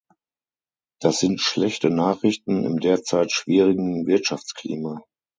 Das sind schlechte Nachrichten im derzeit schwierigen Wirtschaftsklima.